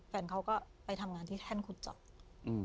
แฟนเขาก็ไปทำงานที่แท่นขุดเจาะอืม